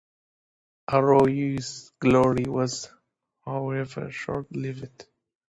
Arroyo's glory was, however, short-lived.